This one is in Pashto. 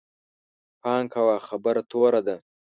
پام کوه، خبره توره ده